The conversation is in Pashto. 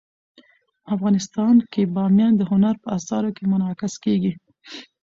افغانستان کې بامیان د هنر په اثار کې منعکس کېږي.